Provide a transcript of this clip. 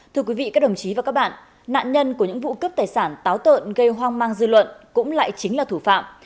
thưa quý vị các đồng chí và các bạn nạn nhân của những vụ cướp tài sản táo tợn gây hoang mang dư luận cũng lại chính là thủ phạm